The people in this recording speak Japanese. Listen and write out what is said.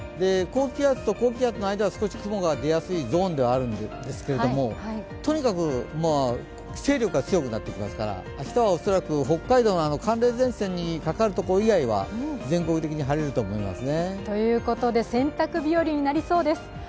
高気圧と高気圧の間は少し雲が出やすいゾーンなんですがとにかく勢力が強くなってきますから明日は恐らく北海道の寒冷前線にかかるところ以外は全国的に晴れると思いますね。ということで洗濯日和になりそうです。